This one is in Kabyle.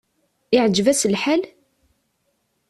Iɛǧeb-as lḥal?